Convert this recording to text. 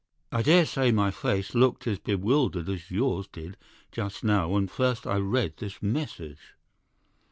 "I daresay my face looked as bewildered as yours did just now when first I read this message.